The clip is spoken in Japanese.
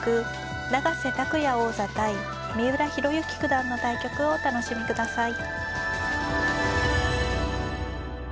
永瀬拓矢王座対三浦弘行九段の対局をお楽しみください。